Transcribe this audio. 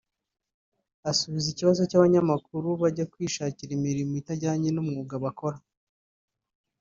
Asubiza ikibazo cy’abanyamakuru bajya kwishakira imirimo itajyanye n’umwuga bakora